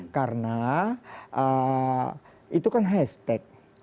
karena itu kan hashtag